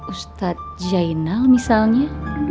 ustadz jainal misalnya